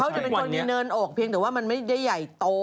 จะเป็นคนมีเนินอกเพียงแต่ว่ามันไม่ได้ใหญ่โต